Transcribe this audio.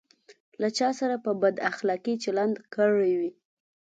له چا سره په بد اخلاقي چلند کړی وي.